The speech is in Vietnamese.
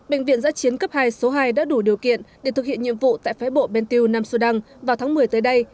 bệnh viện giã chiến cấp hai số hai đã đủ điều kiện để thực hiện nhiệm vụ tại phái bộ bên tiêu nam sudan vào tháng một mươi tới đây